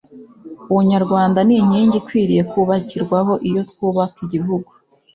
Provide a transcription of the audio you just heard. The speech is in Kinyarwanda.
ubunyarwanda ni inkingi ikwiriye kubakirwaho iyo twubaka igihugu